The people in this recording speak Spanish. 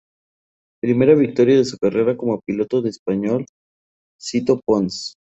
Primera victoria de su carrera como piloto del español Sito Pons.